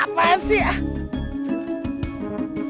apaan sih ah